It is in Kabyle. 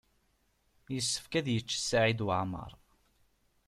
Yessefk ad yečč Saɛid Waɛmaṛ.